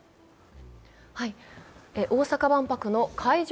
大阪万博の会場